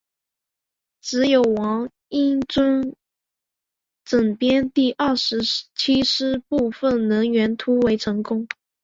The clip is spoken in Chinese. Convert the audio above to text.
只有王应尊整编第二十七师部分人员突围成功。